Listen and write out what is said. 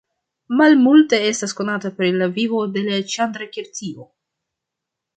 Malmulte estas konata pri la vivo de Ĉandrakirtio.